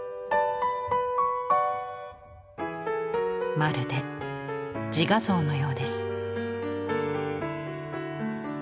まるで自画像のようです。